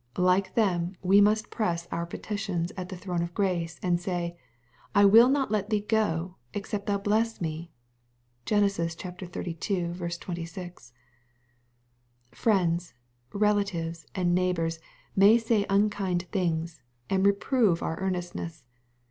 Like them we must press our petitions at the throne of grace, and say, " I will not let thee go, except thou bless me." (Gen. xxxii 26.) Friends, relatives, and neighbors may say unkind things, and reprove our earnestness.